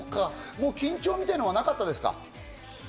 緊張みたいなのはなかったですか？